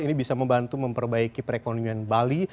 ini bisa membantu memperbaiki perekonomian bali